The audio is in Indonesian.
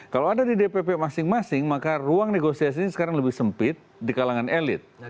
kalau ada di dpp masing masing maka ruang negosiasinya sekarang lebih sempit di kalangan elit